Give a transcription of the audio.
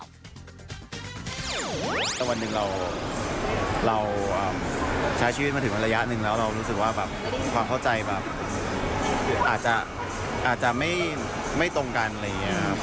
แต่วันหนึ่งเราใช้ชีวิตมาถึงระยะหนึ่งแล้วเรารู้สึกว่าแบบความเข้าใจแบบอาจจะไม่ตรงกันอะไรอย่างนี้ครับ